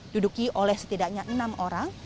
duduki oleh setidaknya enam orang